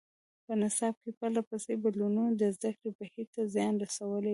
په نصاب کې پرله پسې بدلونونو د زده کړې بهیر ته زیان رسولی دی.